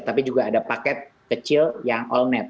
tapi juga ada paket kecil yang all net